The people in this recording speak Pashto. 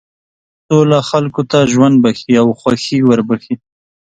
سوله خلکو ته ژوند بښي او خوښي وربښي.